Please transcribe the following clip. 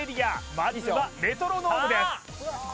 まずはメトロノームですきた！